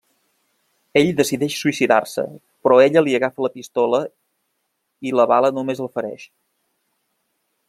Ell decideix suïcidar-se però ella li agafa la pistola i la bala només el fereix.